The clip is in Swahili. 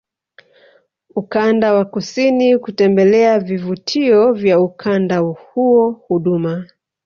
ukanda wa kusini kutembelea vivutio vya ukanda huo Huduma